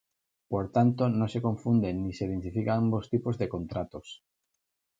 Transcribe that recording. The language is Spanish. Por tanto, no se confunden ni se identifican ambos tipos de contratos.